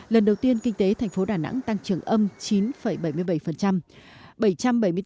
lần đầu tiên kinh tế thành phố đà nẵng tăng trưởng âm chín bảy mươi bảy